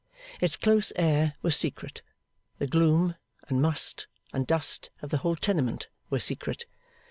Its close air was secret. The gloom, and must, and dust of the whole tenement, were secret.